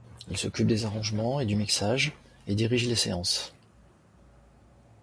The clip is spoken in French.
Il s’occupe des arrangements et du mixage et dirige les séances.